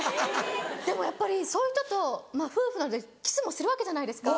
でもやっぱりそういう人と夫婦なんでキスもするわけじゃないですか。